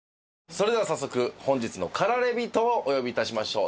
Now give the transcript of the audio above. それでは早速本日の駆られ人をお呼び致しましょう。